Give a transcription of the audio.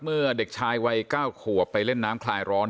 เมื่อเด็กชายวัย๙ขวบไปเล่นน้ำคลายร้อน